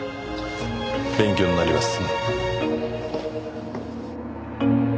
勉強になります。